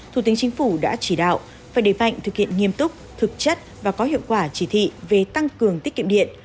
thủ tướng chính phủ đã chỉ đạo phải đề mạnh thực hiện nghiêm túc thực chất và có hiệu quả chỉ thị về tăng cường tiết kiệm điện